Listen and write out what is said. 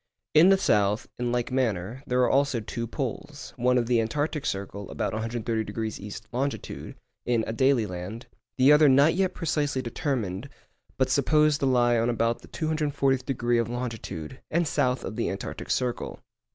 In the south, in like manner, there are also two poles, one on the Antarctic circle, about 130° E. long., in Adélie Land, the other not yet precisely determined, but supposed to lie on about the 240th degree of longitude, and south of the Antarctic circle.